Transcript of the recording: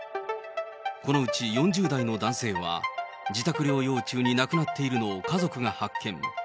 このうち、４０代の男性は、自宅療養中に亡くなっているのを家族が発見。